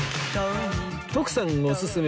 徳さんおすすめ